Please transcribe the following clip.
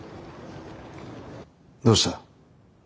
どうした。